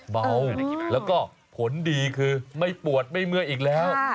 เบาแล้วก็ผลดีคือไม่ปวดไม่เมื่อยอีกแล้ว